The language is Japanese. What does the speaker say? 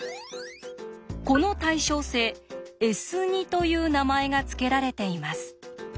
この対称性「Ｓ」という名前が付けられています。